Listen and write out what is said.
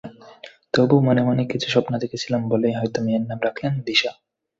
তবু মনে মনে কিছু স্বপ্ন দেখছিলেন বলেই হয়তো মেয়ের নাম রাখলেন দিশা।